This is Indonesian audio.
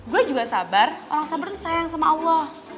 gue juga sabar orang sabar itu sayang sama allah